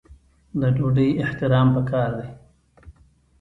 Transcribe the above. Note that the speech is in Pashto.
د ډوډۍ احترام پکار دی.